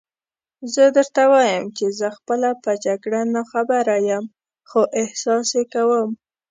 زه درته وایم چې زه خپله په جګړه ناخبره یم، خو احساس یې کوم.